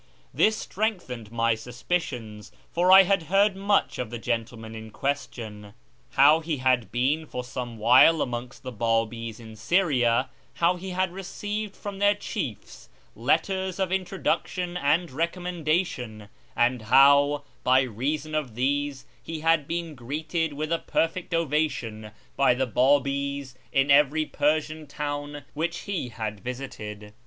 This strengthened my suspicions, for I had heard much of the gentleman in c^uestion : how he had been for some while amongst the B;ibis in Syria, how he had received from their chiefs letters of introduction and recommendation, and how, by reason of these, he had been greeted with a perfect ovation by the Babis in every Persian town which he had visited.